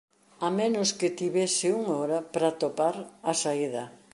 A menos que tivese unha hora pra atopar a saída.